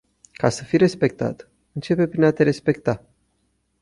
Ca să fii respectat, începe prin a te respecta.